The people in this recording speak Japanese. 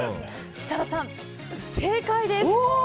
設楽さん、正解です！